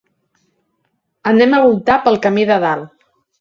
Anem a voltar pel camí de dalt.